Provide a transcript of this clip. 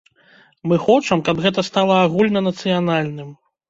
Мы хочам, каб гэта стала агульнанацыянальным.